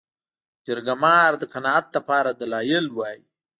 جرګه مار د قناعت لپاره دلایل وايي